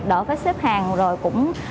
đỡ phải xếp hàng rồi cũng